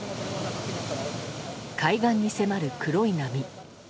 海岸に迫る黒い波。